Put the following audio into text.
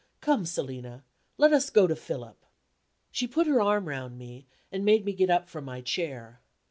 Come, Selina, let us go to Philip." She put her arm round me, and made me get up from my chair.